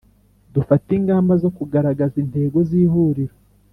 Dufate ingamba zo kugaragaza intego z’Ihuriro